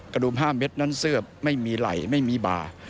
ดู๕เม็ดนั้นเสื้อไม่มีไหล่ไม่มีบ่า